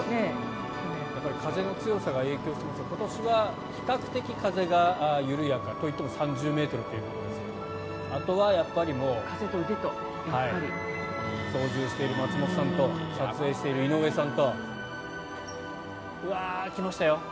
やっぱり風の強さが影響してくるんですが今年は比較的、風が緩やか。といっても３０ｍということですがあとはやっぱり操縦している松本さんと撮影している井上さんと。来ましたよ。